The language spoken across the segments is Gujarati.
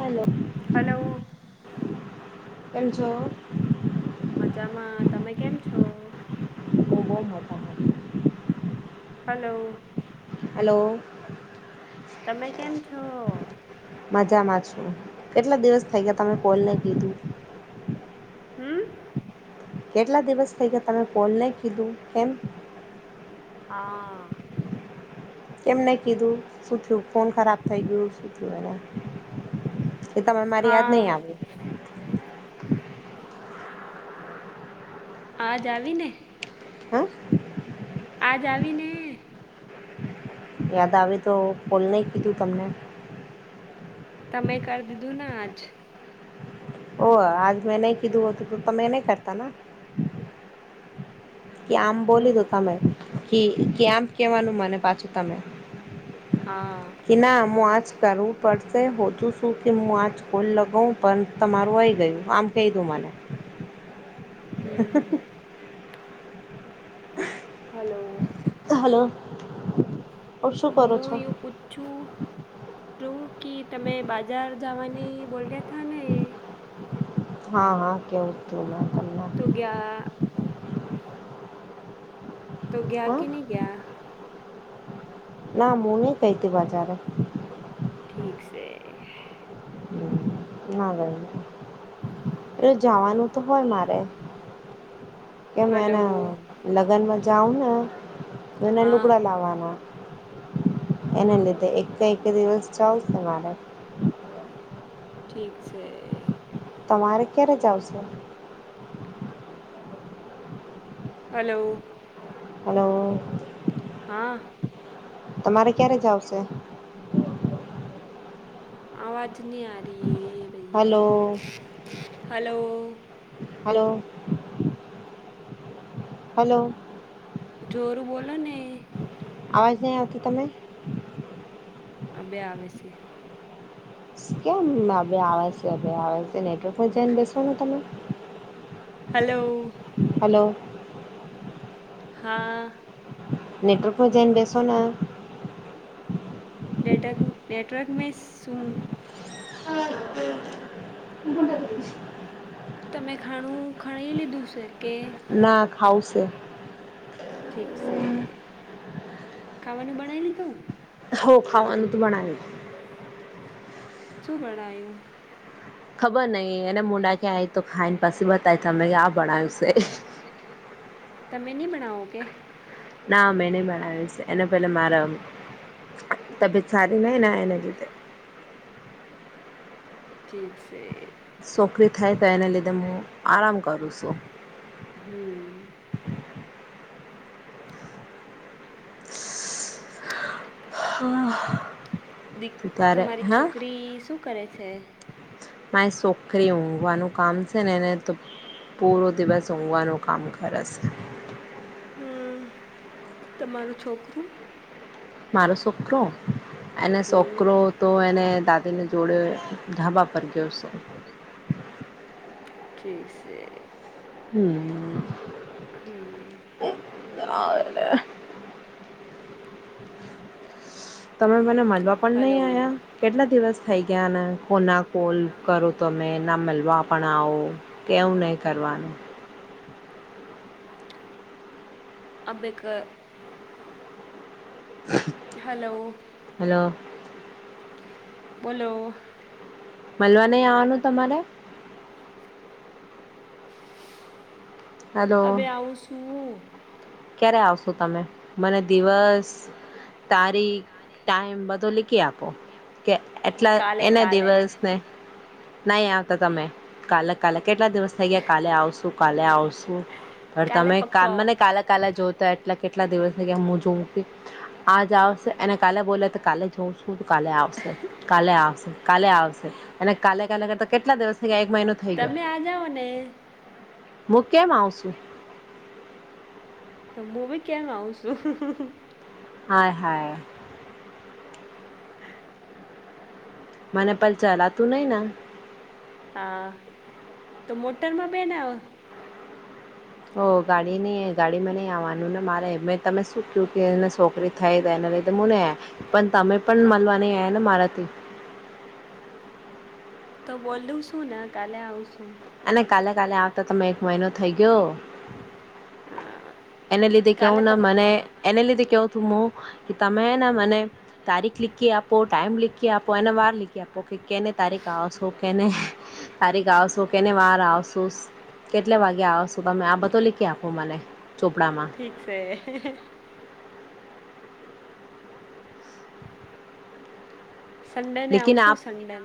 Hello hello. કેમ છો? મજામાં તમે કેમ છો? બ મજા મ. હલો. હલો. તમે કેમ છો? મજામાં કેટલા દિવસ થઈ ગયા તમે કોલને કીધું. હમ. કેટલા દિવસ થઈ કે તમે કોલ નહી કીધું કેમ? હા. કેમ ન કીધું શું થયું ફોન ખરાબ થઈ ગયું શું થયું એને? એ તરે મારી યાદ હા નહી આવી? આજ આવી ને. હે. આજ આવી ને. યાદ આવે તો કોલ નહીં કીધું તમને? તમે કરી દીધું ને આજ. ઓ આજ મેં નહી કીધું હોતું તો તો મે નહી કરતા ના. કે આમ બોલી હું દો તમે, કે કે આમ કેવાનું મને પાછું તમે. હા કે ના મું આજ કરવું પડશે હોજું શું કે હું આજ ખોલ લગાવઉં પણ તમારું આવી ગયું આમ કહી દું મને. [inaudible] હમ. હલો. [inaudible] કરો મુું છો? યૂ પુછું. તું ક તમે બાજાર જવાની બોલ્યા થા ને. હા હા કેવું હતું. તો ગયા તો ગયા હા કે નહી ગયા? ના મુન કૈતીબાજારે. ઠીક છે. ના ભાઈ, એ જવાનું તો હોય મારે. કે હલો મેને લગ્નમાં જાઉ ને. ન નલુંક હા લવાના. એના લીધે એક એક દિવસ ચાલશે મારે. ઠીક છે. તમારે ક્યારે જશે. હલો. હલો. હા. તમારે ક્યારે જાવશે? આવાજ અવાજની આતી એ ભાઈ, હલો હેલો. Hello hello. જોરું બોલો ને. અવાજ નહી આવતો તમે? આ બે આવે છે. કેમ અ આવવા છે આવ નેટવર્કમાં જઈને બેસવાનું તમે. હલો. હલો હા. નેટર્કમાં જાન બસોના. નેટવર્ક નેટવર્ક મે શું? હા [unintelligible] તમે ખાણું ખણી લીધું છે કે ના ખાવુશે ઠીક છે ખાવાનું બનાય લીધું હો ખાવાનું તું બનાની શું બનાયું ખબર નહી એને મોડા ક્યાય તો ખાઈને પાછી બતાય તમે કે આ બણાવ્યું છે તમે ની બનાઓ કે ના મેને બનાવ્યું છે એને પહેલા માર તબિયત સારી નહી ને એના લીધે ઠીક છે છોકરી થાય તો એને લીધે હું આરામ કરું છું હમ હા ત્યારે તમારી છોકરી શું કરે છે? મા એ છોકરી ઊંઘવાનું કામ છે ને એને તો- - પૂરો દિવસ ઊંઘવાનું કામ કરેશે. હમ તમારું છોકરું? મારો છોકરો એને હમ છોકરો તો એને દાદા- - તેને જોડે ઢાબા પર ગયો છે. ઠીક છે. હમ. હમ. એ- - તમે મને મળવા પણ નહી હલો આયા કેટલા દિવસ થયી ગયા- - ક્યાંન કોના કોલ કરો તો તમે ના મળવા પણ આવું એવું નહીં કરવાનું. [inaudible] [unintelligible] હલો- - હલો બોલો? મળલવા નહી આવવાનું તમારે? હલો અ બે આવું શું. ક્યારે આવશો તમે મને દિવસ- - તારીખ ટાઈમ બધો લીખી આપો? કે એટલા કાલે એના કાલે દિવસને- - નહી આવતા તમે કાલે કાલે કેટલા દિવસ થઈ ગયા કાલે આવશુ કાલે આવશું- - પણ કાલે તમે ક પક્કો મને કાલે- - કાલે જો તો એટલા કેટલા દિવસ કે હું જોઉં આજ આવશે અને કાલે બોલે તો કાલે જઉં- - કાલે આવશે કાલે આવશે કાલે આવશે અને કાલે કાલે કરતા કેટલા દિવસે થઇ ગયા- - તમે આ જાઓ ને? હું કેમ આવ છું? તો મુ ભી કેમ આવઉં છું? હાય હાય. મને પણ ચલાતું નહી ન. હા તો મોટરમાં બેન આવો. ઓ ગાડી નઈ ગાડીમાં નઈ આવવાનું ને મારે મે તમે શું કું કે એને છોકરી થઈ ગઈ? ને પણ તમે પણ મળવાની આયાને મારાથી. તો બોલું શું ને કાલે આવશું. અને કાલે કાલે આવતા તમે એક મહિનો થઈ ગયો. હા એને લીધે કાલે કેવું ના પક્કું મને એને લીધે કેવું તુંમ કે તમેને મને તારીખ લીખી આપો ટાઈમ લીખકી આપો એને વાર લખી આપો કે કેને તારીખ આવશો કેને તારીખ આવશો કેને વાર આવશો. કેટલે વાગે આવ છો તમે આ બધો લીખી આપો મને? ચોપડામાં ઠીક છે. સંડે ને લેકિન આવશું આપ સંડને.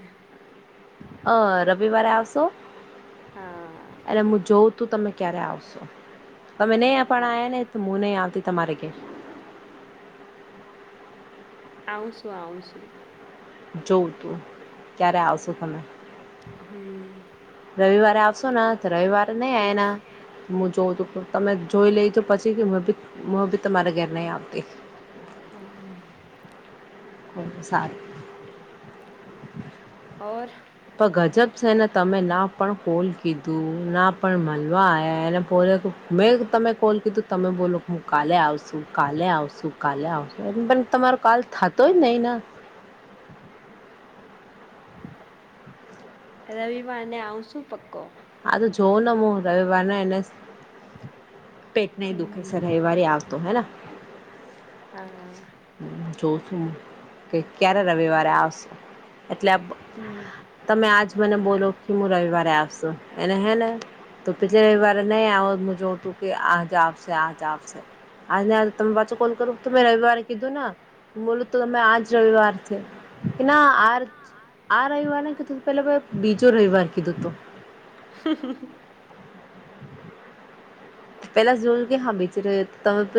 અ રવિવારે આવશો? હા એલે હું જોઉં તું તમે ક્યારે આવશો? તમે નહી પણ હા આ્યા ને તો મુ નહી આવતી તમારે ઘરે. [inaudible] આવઉ છું આવ છું. જોવું તું ક્યારે આવશો તમે? હમ. રવિવારે આવશો તો રવિવારે નહી ઠીક આવેના- છે. - જો તમે જોઈ લઈ તો પછી કે હું બી તમારે ઘર નહી આવતી. હમ હ કો સારું ઓર તો ગજબ છે ને તમે ના પણ કોલ કીધું ના પણ મળવા આવયા એને પોતે મેં તમે કોલ કીધું તમે બોલો કે હું કાલે આવશું કાલે આવશું કાલે આવશું પરો કાલ થતો જ નહી ના રવિવાર ને આવશું પક્કો હા તો જોઉં ને હું રવિવારને એને પેટ નહ દુખે હમ સર રવિવારે આવતો હે હા જો શું કે ક્યારે રવિવારે આવશે એટલે હમ તમે આજ મને બોલો કે હું રવિવારે આવશું એને હે ને તો પિછ વા નહી આ મુજ તું કે આજ આવશે આજ આવશે આજ ને આજ ત કો કર તો મેરા રવિવારે કીધું ને બોલું તો તમે આજ રવિવારથી એ ના આ આ રવિવાર કીધું પે બીજો રવિવાર કીધું તો હ પેલા જોયું કે હા બચ તમે પ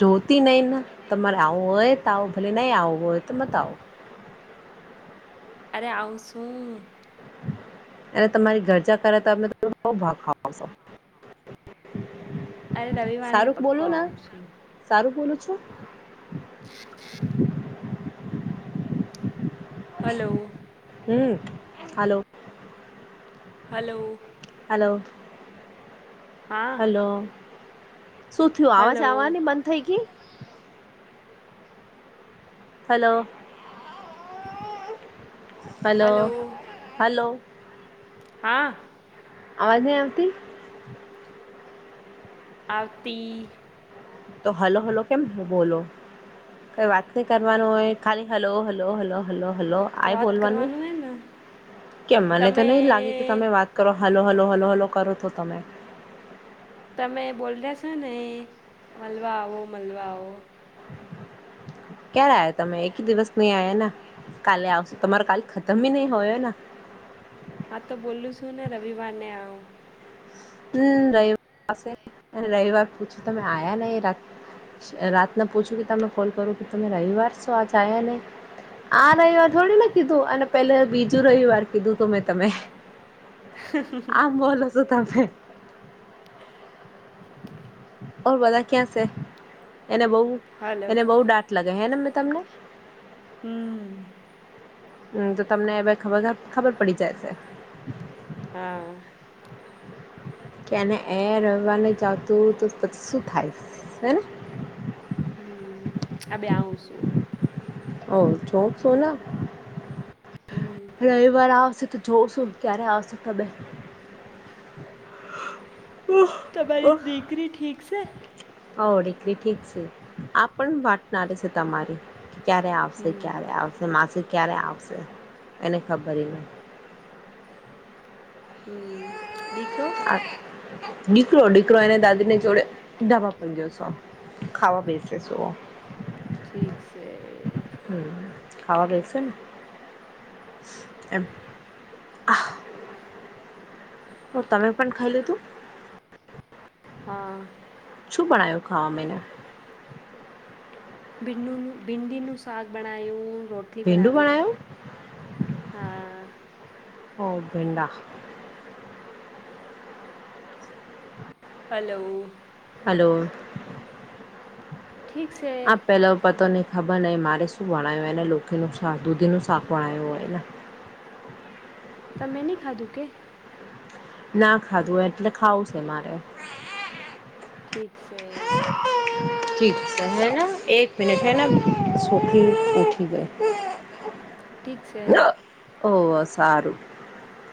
જોતી નઈને તમારે આવું હોય તો ભલે નહી આવો હોય તો બતાવો અરે આવઉંસું અને તમારી ઘરજા કરે તો અમે બ ભાગ ખો અરે રવિવારને શાહરૂુખ પક્કો બોલું ના આવશું શાહરૂુખ બોલું છુ હલો હમ હલો હલો હાલો હા હલો શું થયું આવાજ હલો આવવાની બંધ થઈ ગઈ હલો હલો હલો હા અવાજ નહી આવતી આરતી તો હલો હલો કેમ બોલો કઈ વાત નહી કરવાનું હોય ખાલી hello hello hello hello hello આય વાત બોલવાનું કરવાનું હે ને કેમ મને તો નઈ લાગે કે તમે વાત કરો હાલો હાલો હલો હલો કરો તો તમે તમે બોલ રહ્યા છો ને મળલવા આવો મળલવા આવો ક્યારે આવ તમે એકી દિવસ નહી આયા ને. કાલે આવશ તમારો કાલ ખતમ બી નહી હોયોને. હા તો બોલું છું ને રવિવારને આવ. હમ રવિવાર પાસે રવિવાર પૂછ્યું તમે આયા નને રા. રાતને પૂછું કે તમે કોલ કરો કે તમે રવિવાર છો આજયા નહી. આ રવિવાર થોડીને કીધું અને પેલે બીજું રવિવાર કીધું તું મેં તમે. આમ બોલો છો તમે. ઓર બધા ક્યાં છે, એને બહ હલો એને બહુ ડાટ લાગે હેને. તમને. હમ. હમ તો તમને હવે ખ ખબર પડી જાય છે. હા. કેને એ રવા ન જતું તો પછી શું થાય હેને. હમ આ બે આવું છું. ઓ છોક સોના, હમ રવિવાર આવસે. જોવ છું ક્યારે આવશે તમે. તમારી દીકરી ઠીક છે. હો દીકલી ઠીક છે આ પણ વાટનારી છે તમારે. ક્યારે આવશે હમ ક્યારે આવશે માસિ. ક્યારે આવશે, એને ખબર ન. હમ દીકરો. દીકરો દીકરો એને દાદી ને જોડે ડાબા પણ જશો. ખાવા બેસે સો. ઠીક છે. હમ ખાવા દ છે ને. એમ. હ તમે પણ ખાઈ લી તું. હા. શું બાનાયું ખાવા મને. ભીંડીનું ભિડીનું સાગ બનાયું. રોટલી ભીંડું બનાવી, બનાવ્યું હા. ઓ ભીંડા. હલો. હલો. ઠીક છે આપ પેલા પતો ન. ખબર નને મારે શું વણાયું એને લોનું દૂધીનું શાક વણાયું એને. [inaudible] તમેં નહી ખાધું કે? ના ખાધું એટલે ખાવું છે મારે. ઠીક છે. હૈ એક મિનટ હૈ ના સખી ઉઠી ગઈ. ઠીક છે ઓ સારું.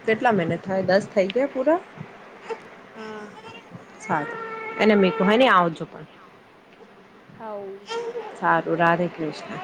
કેટલા મહિને થાય દસ થઇ ગયા પૂરા. હા. સારું એને મે ક નઈ આવજો પણ. આવું. સારું રાધે કૃષ્ણ.